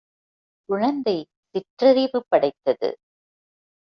குழந்தை சிற்றறிவு படைத்தது.